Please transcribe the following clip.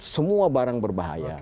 semua barang berbahaya